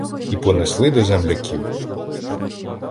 І понесли до земляків.